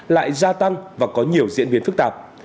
lại gia tăng và có nhiều diễn biến phức tạp